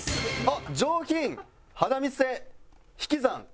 あっ「上品」「肌見せ」「引き算」。